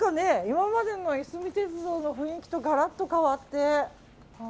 今までのいすみ鉄道の雰囲気とガラッと変わって。